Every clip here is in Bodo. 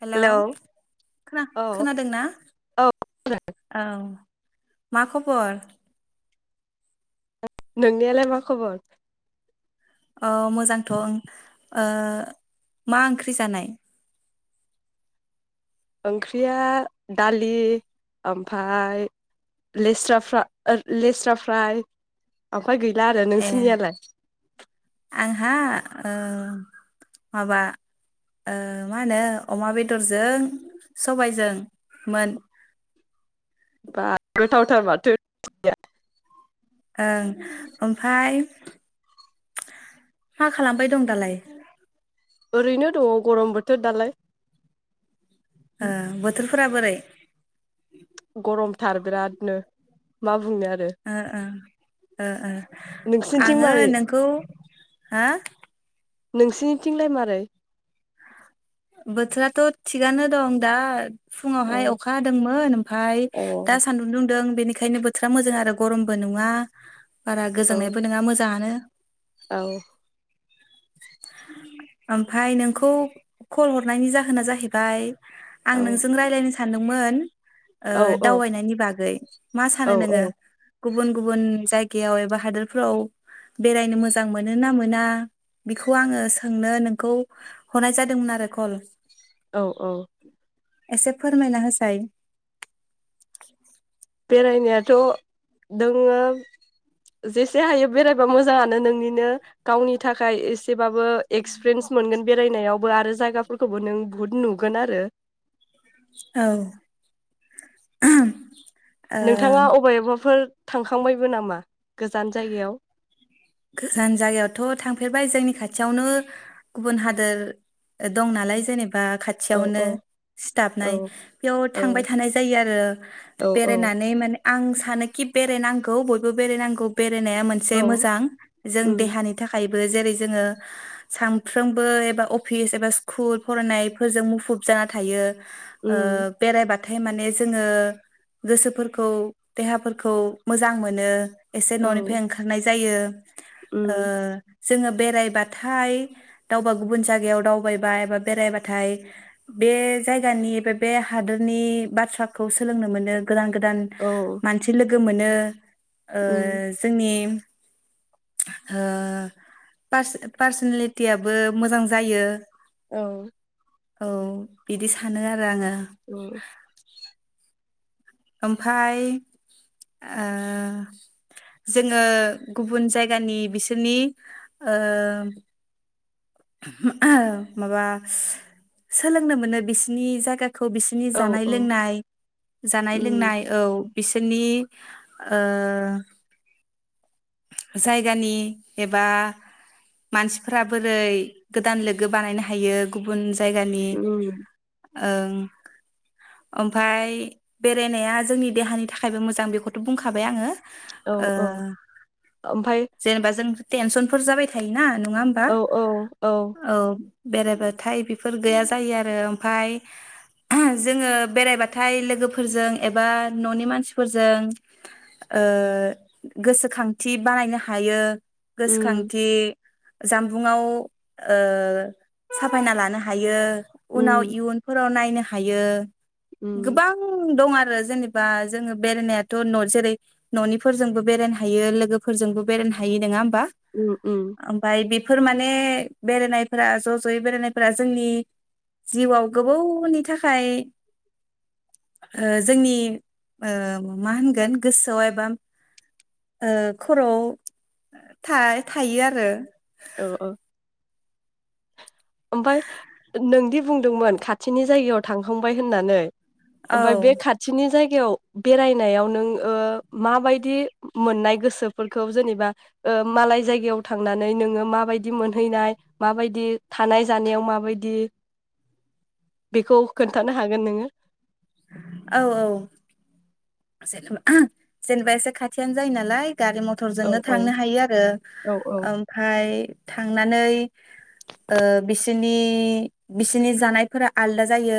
हेलौ औ खोना-खोनादोंना औ औ मा खबर नोंनियालाय मा खबर अ मोजांथ उम मा ओंख्रि जानाय ओंख्रिया दालि ओमफाय लेस्रारा फा- लेस्रा फ्राय ओमफाय गैला आरो ए नोंसोरनियालाय आंहा ओ माबा ओ मा होनो अमा बेदरजों सबायजों मोन। बा गोथावथार माथो ओंख्रिया ओं ओमफ्राय मा खालामबाय दं दालाय? ओरैनो दङ गरम बोथोर दालाय ओ बोथोरफोरा बोरै गरमथार बिरादनो माब ओ ओ ओ नोंसिनिथिं आङो मारै नोंखौ। हो? नोंसिनिथिंलाय मारै बोथोराथ थिगानो दं दा औ फुङावहाय अखादोंंमोन ओमफ्राय औ दा सान्दुं दुं दों बेनिखायनो बोथोरा मोजां आरो गरमबो नङा बारा औ गोजांनायबो नङा मोजाङानो औ ओमफाय नोंखौ खल हरनायनि जाहोना जाहैबाय। आं औ नोंजों रायज्लायनोसो सानदोंमोन ओ औ दावबायनायनि बागै मा औ सानो नोङो? गुबुन गुबुन जायगायाव एबा हादोरफोराव बेरायनो मोजां मोनो ना मोना बेखौ आङो सोंनो नोंखौ हरनाय जादोंमोन आरो। खल औ औ एसे फोरमायना होसाय बेरायनायाथ दोंङो जेसे हायो बेरायबा मोजाङानो नोंनिनो गावनि थाखाय एसे बाबो एक्सपिरियेन्स मोनगोन बेरायनायाव आरो जायगाफोरखौबो नों बुहुद नुगोन आरो औ ओ नोंथाङा अबायबाफोर थांखांबायबो नामा गोजान जायगायाव गोजान जायगायावथ' थांफेरबाय जोंनि खाथियावनो गुबुन हादोर दं नालाय जेने बा औ खाथियावनो औ सिथाबनाय औ बेयाव थांबाय औ थानाय जायो आरो औ औ बेरायनानै माने आं सानोखि बेरायनांगौ बयबो बेरायनांगौ बे रायनाया औ मोनसे मोजां जों उम देहानि थाखाय बो जेरै जोङो सानफ्रोमबो एबा अफिस एबा स्कुल फरायनायफोरजों मुखुब जाना थायो ओ उम बेरायबाथ थाय माने जोङो गोसो एसे औ न'निफ्राय ओंखारनाय जायो ओ उम जोङो बेरायबाथाय दावबा गुबुन जायगायाव दावबायबाय बा बेरायबाथाय बे जायगानि बा बे हादोरनि बाथ्राखौ सोलोंनो मोनो गोदान गोदान औ मानसि लो गो मोनो ओ उम जोंनि ओ पास पार्सनेलिटियाबो मोजां जायो औ औ बिदि सानो आरो आङो उम ओमफाय ओ जोङो गुबुन जायगानि बिसोरनि ओ मा माबा सोलोंनो मोनो बिसनि जायगा खौ बिसिनि औ जानाय औ लोंनाय नाय उम लोंनाय औ बिसोरनि ओ जायगानि एबा मानसिफोरा बोरै गोदान लोगो बानायनो हायो गुबुन ज जायगानि उम ओं ओमफाय बेरायनाया जोंनि देहानि थाखायबो मोजां बेखौथ' बुंखाबाय आङो औ ओ औ ओमफाय जेनेबा जों टेनसनफोर जाबाय थायोना नङा होमबा औ औ औ बेरायबाथाय बेफोर गैया जायो आरो ओमफाय [unintelligible] जोङो बेरायबाथाय लोगोफोरजों एबा न'नि मानसिफोरजों ओ गोसोखां थि बानायनो हायो उम गोसोखांथि जामबुंआव ओ साफायना लानो हायो उनाव उम इयुनफोराव नायनो हायो उम गोबां दं आरो आरो जेनेबा जोङो बेरायनायाथ' न जेरै न'निफोरजोंबो बेरायनो फायो लो गोफोरजोंबो बेरायनो हायो नोङा बा उम उम ओमफाय बि फोरमाने बेरायनायफोरा ज' ज'यै बेरायनायफोरा जोंनि जिउआव गोबोवनि थाखाय ओ जोंनि ओ मा होनगोन गोसोआव एबा ओ खर'आव था-थायो आरो औ औ ओमफाय नोंदि बुंदोंमोन खाथिनि जायगायाव थांखांबाय होननानै औ ओमफाय बे खाथिनि जायगा गायाव बेरायनायाव नों ओ माबायदि मोननाय गोसोफोरखौ जोनेबा ओ मालाय जायगायाव थांनानै नोङो माबायदि मोनहैनाय माबायदि थानाय जानायाव माबायदि बेखौ खोन्थानो हागोन नोङो औ औ जेनबा [unintelligible] जेनेबा एसे खाथियानो जायो नालाय गारि औ मथरजोंनो औ थांनो हायो आरो औ औ ओमफाय थांनानै ओ बिसोनि बिसोनि जानायफोरा आलदा जायो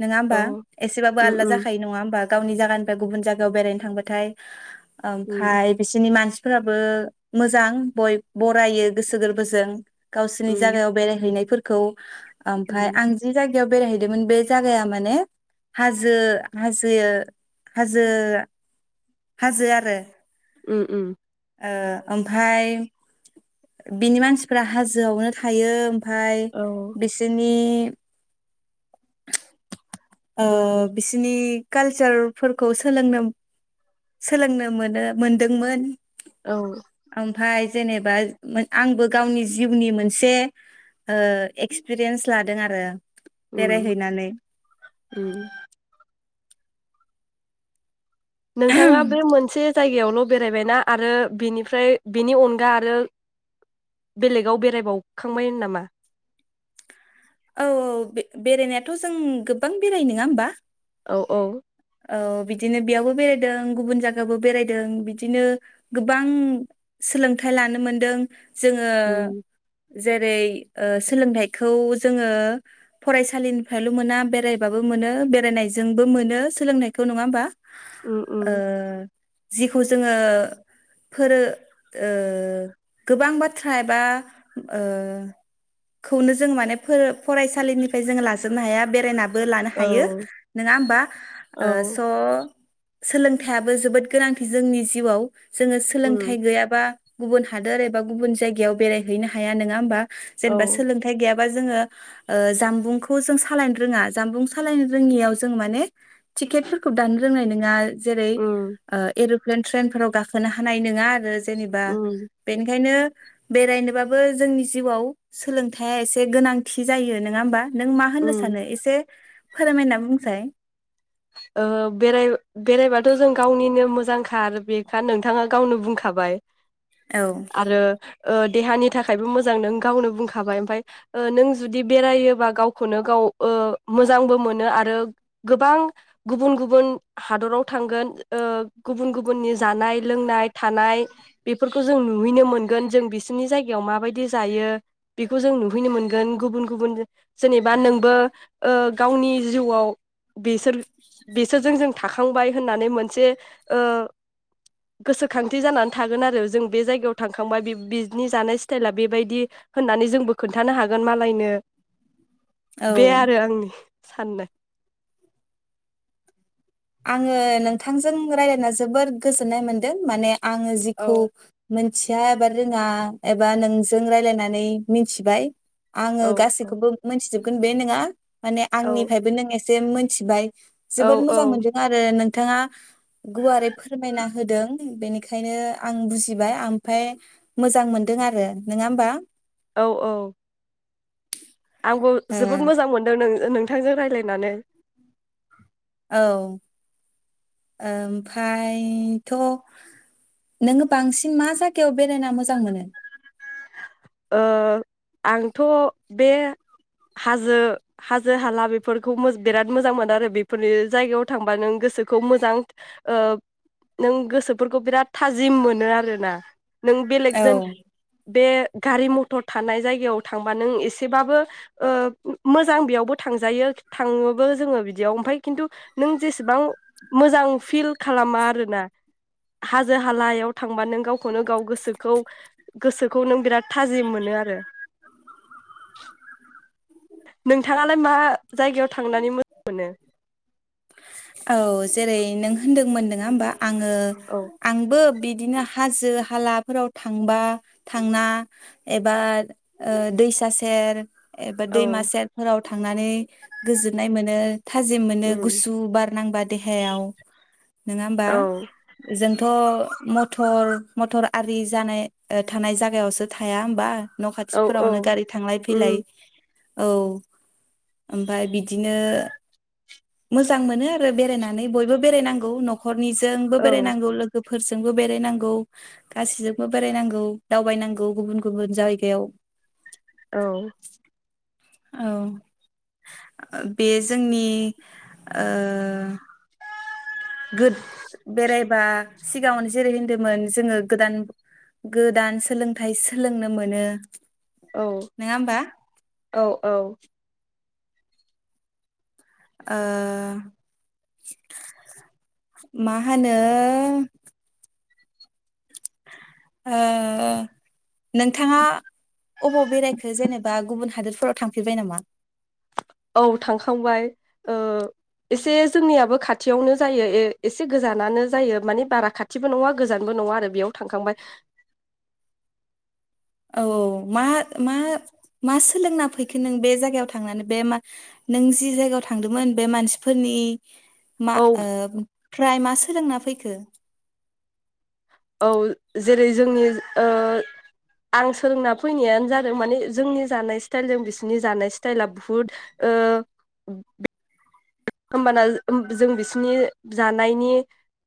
नोङा होमबा औ एसेबाबो उम आलदा उम जाखायो नङा होमबा गावनि जागान फाय गुबुन जागायाव बेरायनो थांबाथाय उम ओमफाय बिसोनि मानसि फोराबो मोजां बय बरायो गोसो गोरबोजों गावसोनि उम जायगायाव बेरायहैनाय फोर खौ आमफाय उम आं जि जाग याव बेरायहैदोमोन बे जायगाया माने हाजो हाजो हाजो हाजो आरो उम उम ओ ओमफाय बिनि मानसिफ्रा हाजोआवनो थायो फाय औ बिसोनि [inaudible] ओ बिसिनि कालसारफोरखौ सोलोंनो सोलोंनो मोनो मोनदोंमोन औ फाय जेनेबा मो आंबो गावनि जिउनि मोनसे ओ एक्सपिरियेन्स लादों आरो उम बेरायहैनानै उम नोंथाङा बे औ मोनसे जायगायावल' बेरायबायना आरो बिनिफ्राय बिनि अनगा आरो बेलेगाव बेरायबावखांबाय नामा औ औ बे बेरायनायाथ' जों गोबां बेराय नोङा होमबा औ औ औ बिदिनो बेयावबो बेरायदों गुबुन जायगाबो बेरायदों बिदिनो गोबां सोलोंथाइ लानो मोनदों जोङो उम जेरै ओ सोलोंथाइखौ जोङो फरायसालिनिफ्रायल' मोना बेरायबाबो मोनो बेरायनायजोंबो मोनो सोलोंनायखौ नङा होमबा उम ओ उम जिखौ जोङो फोरो ओ गोबां बाथ्रा एबा ओ खौनो जों माने फरायसालिनिफ्राय जोङो लाजोबनो हाया बेरायनानै बो लानो औ हायो नङा होमबा स औ सोलोंथाइयाबो जोबोद गोनांथि जोंनि जिउआव जोङो सोलोंथाइ उम गैयाबा गुबुन हादोर एबा गुबुन जायगायाव बेरायहैनो हाया नोङा होमबा जेनेबा औ सोलोंथाइ गैयाब बा जोङो ओ जानबुंखौ जों सालायनो रोङा जानबुं सालायनो रोङियाव जों माने टिकेटफोरखौ दान रोंनाय नोङा जेरै उम ओ प्लेन ट्रेनफोराव गाखोनो हानाय नोङा आरो जेनेबा उम बेनिखायनो बेरायनोबाबो जोंनि जिउआव सोलोंथाया एसे गोनांथि जायो नोङा होमबा नों मा होननो उम सानो एसे फोरमायना बुंसाय ओ बेराय बेरायबाथ' जों गावनिनो मोजां थार बेखा नोंथाङा गावनो बुंखाबाय औ आरो ओ देहानि थाखायबो मोजां नों गावनो बुंखाबाय ओमफाय नों जुदि बेरायोबा गावखौनो गाव ओ मोजांबो मोनो आरो गोबां गुबुन गुबुन हादराव थांगोन ओ गुबुन गुबुननि जानाय लोंनाय थानाय बेफोरखौ जों नुहैनो मोनगोन जों बिसोरनि जायगायाव माबायदि जायो बेखौ जों नुहैनो मोनगोन गुबुन गुबुन जेनेबा नोंबो गावनि ओ जिउआव बिसोर बेसोरजों जों थाखाखांबाय होननानै मोनसे ओ गोसोखांथि जानानै थागोन आरो जों बे जायगायाव थांखांबाय बिनि जानाय स्टाइला बेबायदि होननानै जोंबो खोन्थानो हागोन मालायनो बे औ आरो आंनि साननाय आङो नोंथांजों रायलायना जोबोद गोजोननाय मोनदों माने आङो औ जिखौ मोन मिथिया एबा रोङा एबा नोंजों रायलायनानै मिनथिबाय। आङो औ औ गासैखौबो मोनथिजोब गोन बे नङा माने आंनिफ्रायबो नों एसे मोन थिबाय औ औ आरो नोंथाङा गुवारै फोरमायना होदों बेनिखायनो आं बुजिबाय आमफाय मोजां मोनदों आरो नोङा होमबा? औ औ आंबो ओ, जोबोद मोजां मोनदों नों नोंथांजों रायलायनानै औ ओमफ्रायथ' नोङो बांसिन मा जायगायाव बेरायना मोजां मोनो? ओ आंथ' बे हाजो हाजो हाला बेफोरखौ मो बिराद मोजां मोनो आरो बेफोरनि जायगायाव थांबा नों गोसोखौ मोजां ओ नों गोसोफोरखौ बिराद थाजिम मोनो आरोना। नों बेलेगजों औ बे गारि मथर थानाय जायगायाव थांबा नों एसेबाबो ओ मोजां बेयावबो थांजायो थाङोबो जोङो बिदियाव ओमफाय खिन्थु नों जेस बां मोजां फिल खालामा आरोना हाजो हालायाव थांबा नों गावखौनो गाव गोसोखौ गोसोखौ नों बिराद थाजिम मोनो आरो। नोंथाङालाय मा जायगायाव थांनानै मोजां मोनो? औ जेरै नों होनदोंमोन नोङा होमबा? आङो औ आंबो बि बिदिनो हाजो हालाफोराव थांबा थांना एबा ओ दैसा सेर एबा औ दैमा सेर फोराव थांनानै गोजोननाय मोनो। थाजिम मोनो। उम गुसु बारनांबा देहायाव नोङा होमबा? औ जोंथ' म थर मथर आरि जानाय ओ थानाय जागायावसो थाया होमबा? न' औ औ खाथिफोरावनो गारि थांलाय फैलाय उम औ ओमफ्राय बिदिनो मोजां मोनो आरो बेरायनानै बयबो बेरायनांगौ न'ख हरनिजोंबो औ बेरायनांगौ लोगो फोरजोंबो बेरायनांगौ गासैजोंबो बेरायनांगौ दावबायनांगौ गुबुन गुबुन जायगायाव औ औ बे जोंनि अ गोद बेराय बा सिगाङावनो जेरै होनदोंमोन जोङो गोदान गोदान सोलोंथाइ सोलोंनो मोनो औ नङा होमबा औ औ ओ मा होनो ओ नोंथाङा अबाव बेरायखो जेनेबा गुबुन हादोरफोर थांफेरबाय नामा? औ थांखांबाय ओ एसे जोंनियाबो खाथियावनो जायो एसे गोजानानो जायो माने बारा खाथिबो नङा गोजानबो नङा आरो बेयाव थांखांबाय औ औ औ मा मा मा सोलोंना फैखो नों बे जागायाव थांनानै बे मा नों जि जायगायाव थांदोंमोन बे मानसिफोरनि मा औ ओ प्राय मास लोंना फैखो? औ जेरै जोंनि ओ आं सोलोंना फैनायानो जादों माने जोंनि जानाय स्टाइलजों बिसिनि जानाय स्टाइला बुहुद ओ होमबाना जों बिसिनि जानायनि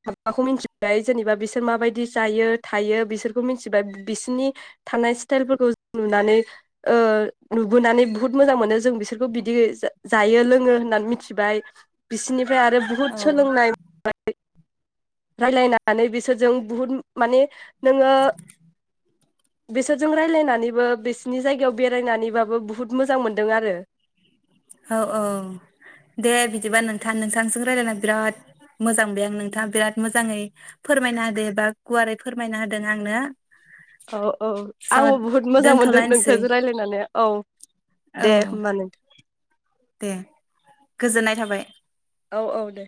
माबाखौ मिथिबाय जेनेबा बिसोर माबायदि जायो थायो बिसोरखौ मिथिबाय बिसोरनि थानाय स्टाइलफोरखौ नुनानै ओ नुबोनानै बुहुद मोजां मोनो जों बिसोरखौ बिदि जायो लोङो होननानै मिथिबाय बिसिनि फ्राय आरो औ बुहुत सोलोंनाय [inaudible] रायलायनानै बिसोरजों बुहुद माने नोङो बिसोरजों रायलायनानैबो बिसिनि जायगायाव बेरायनानैबाबो बुहुत मोजां मोनदों आरो औ औ दे बिदिबा नोंथां नोंथांजों रायजलायना बिराद मोजांबाय आं नोंथाङा बिराद मोजाङै फोरमायना होदो बा गुवारै फोरमायना होदों आंनो औ औ आंबो स' बुहुद मोजां मोनदों दोनथ'लायनोसै नोंथांजों रायजलायनानै औ औ दे होमबा नोंथ दे गोजोननाय थाबाय‌। औ औ दे